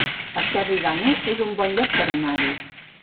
Esterri d'Àneu es un bon lloc per anar-hi